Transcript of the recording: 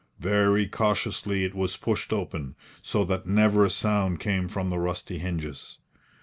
Very cautiously it was pushed open, so that never a sound came from the rusty hinges.